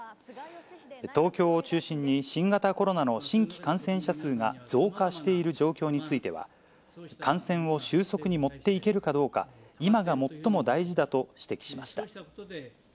東京を中心に新型コロナの新規感染者数が増加している状況については、感染を収束に持っていけるかどうか、今が最も大事だと指摘しました。